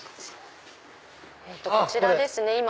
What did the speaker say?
こちらですね